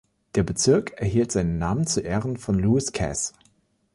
Der Bezirk erhielt seinen Namen zu Ehren von Lewis Cass.